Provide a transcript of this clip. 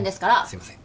すいません。